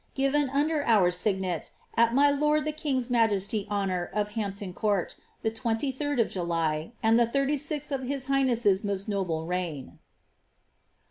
*•* Given under our signet at my lord the king's majesty's honour of Hampton 3o0rt, the 23rd of July, and the thirty sixth of his highness's most noble reign."